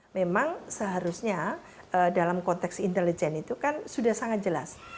memang seharusnya dalam konteks intelijen itu kan sudah sangat jelas